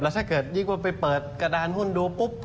ถ้าเกิดยิ่งว่าไปเปิดกระดานหุ้นดูปุ๊บ